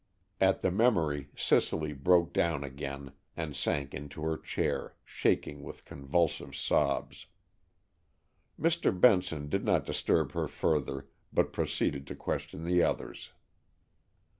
At the memory Cicely broke down again and sank into her chair, shaking with convulsive sobs. Mr. Benson did not disturb her further, but proceeded to question the others.